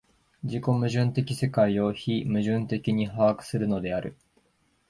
自己矛盾的世界を非矛盾的に把握するのである。